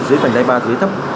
dưới vành đai ba dưới thấp